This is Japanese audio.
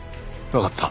わかった。